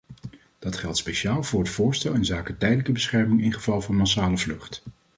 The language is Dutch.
Dat geldt speciaal voor het voorstel inzake tijdelijke bescherming in geval van massale vlucht.